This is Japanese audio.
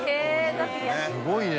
すごいね。